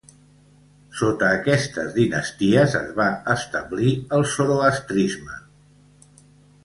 Sota aquestes dinasties es va establir el zoroastrisme.